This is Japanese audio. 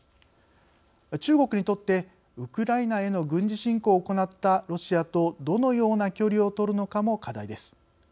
中国にとってウクライナへの軍事侵攻を行ったロシアとどのような距離を取るのかも課題です。